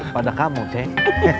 pada kamu ceng